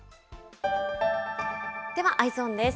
ではＥｙｅｓｏｎです。